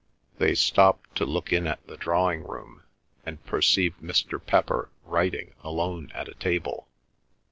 They stopped to look in at the drawing room, and perceived Mr. Pepper writing alone at a table.